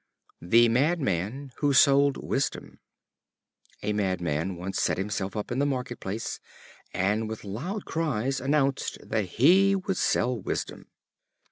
The Madman who Sold Wisdom. A Madman once set himself up in the market place, and with loud cries announced that he would sell Wisdom.